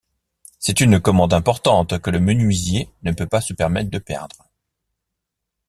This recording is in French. C’est une commande importante que le menuisier ne peut pas se permettre de perdre.